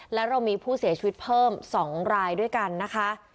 แล้วเรามีผู้เสียชีวิตเพิ่ม๒รายด้วยกันนะคะ